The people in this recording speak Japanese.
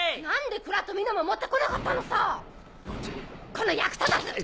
この役立たず！